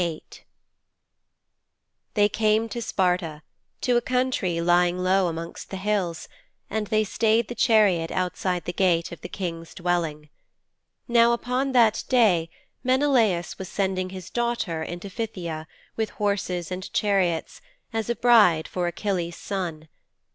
VIII They came to Sparta, to a country lying low amongst the hills, and they stayed the chariot outside the gate of the King's dwelling. Now upon that day Menelaus was sending his daughter into Phthia, with horses and chariots, as a bride for Achilles' son.